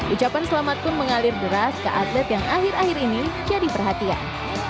ucapan selamat pun mengalir deras ke atlet yang akhir akhir ini jadi perhatian